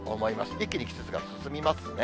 一気に季節が進みますね。